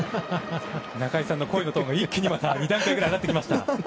中居さんの声のトーンが一気に２段階ぐらい上がってきました。